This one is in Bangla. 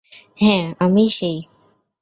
হ্যাঁ, আমিই সেই।